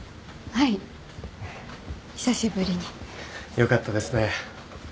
よかったですね。